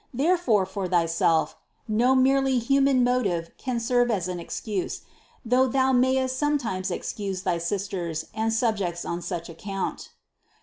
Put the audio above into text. Therefore, for thyself, no merely human motive can serve as an ex cuse, though thou mayest sometimes excuse thy sisters and subjects on such account.